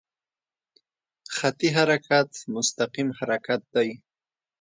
خطي حرکت مستقیم حرکت دی.